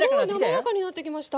滑らかになってきました。